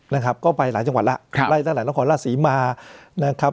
นะครับก็ไปหลายจังหวัดแล้วครับไล่ตั้งแต่นครราชศรีมานะครับ